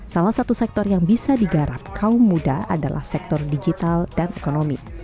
salah satu sektor yang bisa digarap kaum muda adalah sektor digital dan ekonomi